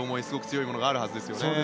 すごく強いものがあるはずですよね。